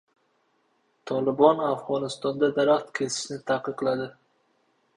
Tolibon Afg‘onistonda daraxt kesishni taqiqladi